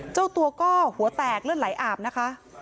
เจ้าตัวก็หัวแตกเลือดไหลอาบนะคะ